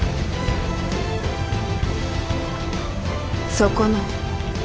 そこの。